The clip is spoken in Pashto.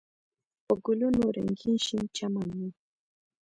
په ګلونو رنګین شین چمن و.